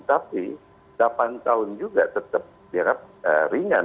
tapi delapan tahun juga tetap dianggap ringan